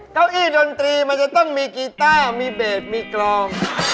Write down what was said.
เก้าอี้ดนตรีมันจะต้องมีกีต้ามีเบสมีกรอง